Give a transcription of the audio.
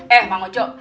eh bang ojo